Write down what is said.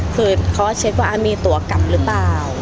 คือเขาก็เช็คว่ามีตัวกลับหรือเปล่า